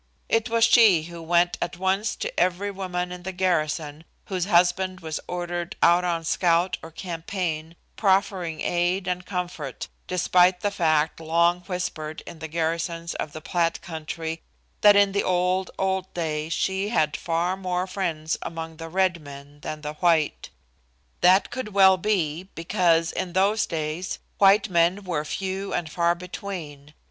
It was she who went at once to every woman in the garrison whose husband was ordered out on scout or campaign, proffering aid and comfort, despite the fact long whispered in the garrisons of the Platte country, that in the old, old days she had far more friends among the red men than the white. That could well be, because in those days white men were few and far between.